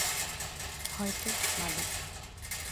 হয়তো, মালিক।